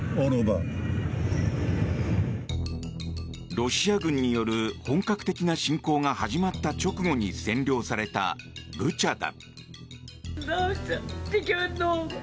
ロシア軍による本格的な侵攻が始まった直後に占領されたブチャだ。